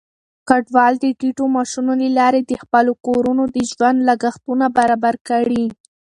کډوال د ټيټو معاشونو له لارې د خپلو کورونو د ژوند لګښتونه برابر کړي.